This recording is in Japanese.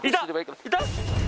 いた！